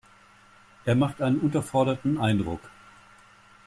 Er macht einen unterforderten Eindruck.